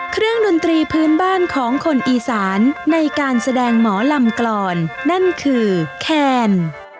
ดนตรีพื้นบ้านของคนอีสานในการแสดงหมอลำกรอนนั่นคือแคน